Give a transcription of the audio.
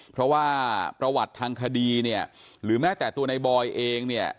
เพราะว่าประวัติทางคดีเนี่ยหรือแม้แต่ตัวในบอยเองเนี่ย